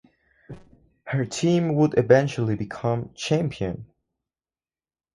Her team would eventually become champion.